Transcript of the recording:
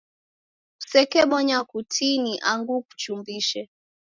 Kusekebonya kutini angu kuchumbise.